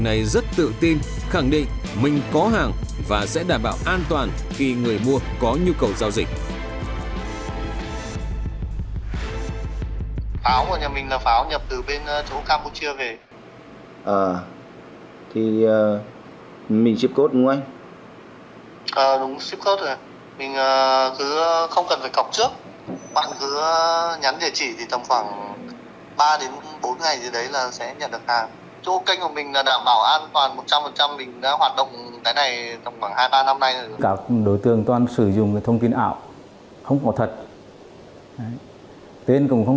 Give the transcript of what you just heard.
này trong khoảng hai ba năm nay các đối tượng toàn sử dụng thông tin ảo không có thật tên cũng không